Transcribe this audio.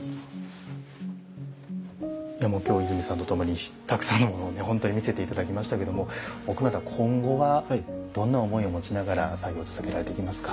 今日は伊住さんとともにたくさんのものを見せて頂きましたけども奥村さん今後はどんな思いを持ちながら作業を続けられていきますか。